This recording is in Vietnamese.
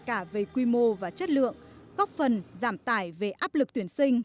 cả về quy mô và chất lượng góp phần giảm tải về áp lực tuyển sinh